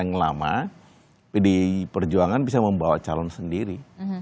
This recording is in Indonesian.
artinya kita menggunakan data yang lama pd perjuangan bisa membawa calon sendiri